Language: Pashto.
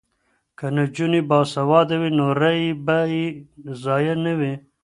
که نجونې باسواده وي نو رایې به یې ضایع نه وي.